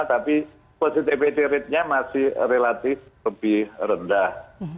tapi positivity ratenya masih relatif lebih rendah